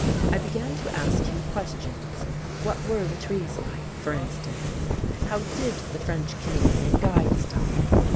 I began to ask him questions: what were the trees like, for instance? How did the French Canadian guides talk?